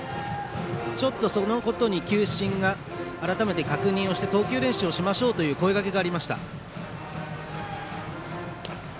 ちょっとそのことに球審が改めて確認をして投球練習をしましょうという声かけがありました。